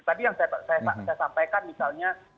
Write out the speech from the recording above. tadi yang saya sampaikan misalnya